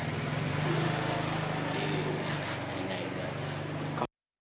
polisi mengaku tidak menyiapkan pengamanan khusus menjelang kebebasan abu bakar bashir dan basuki cahaya purnama